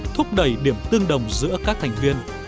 thúc đẩy điểm tương đồng giữa các thành viên